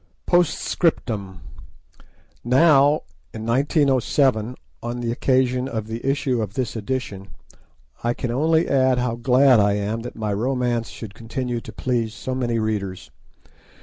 POST SCRIPTUM Now, in 1907, on the occasion of the issue of this edition, I can only add how glad I am that my romance should continue to please so many readers.